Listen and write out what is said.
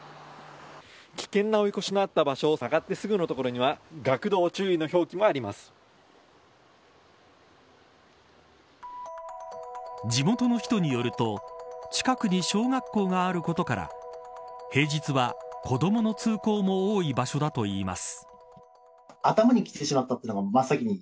危険な追い越しのあった場所を曲がってすぐの所には地元の人によると近くに小学校があることから平日は子どもの通行も多い場所だといいます。